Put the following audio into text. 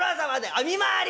あ見回り。